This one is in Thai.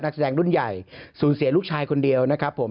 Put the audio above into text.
แสดงรุ่นใหญ่สูญเสียลูกชายคนเดียวนะครับผม